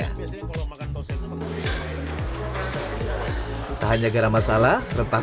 tidak hanya garam masalah